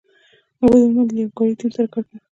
هغوی عمومآ له یو کاري ټیم سره کار کوي.